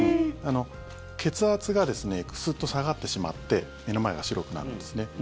血圧がスッと下がってしまって目の前が白くなるんですね。